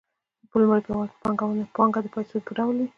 په لومړي پړاو کې پانګه د پیسو په ډول وي